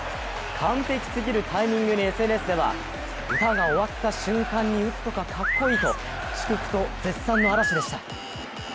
完璧すぎるタイミングにＳＮＳでは歌が終わった瞬間に打つとかかっこいいと祝福と絶賛の嵐でした。